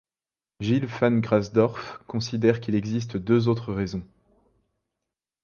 Gilles Van Grasdorff considère qu'il existe deux autres raisons.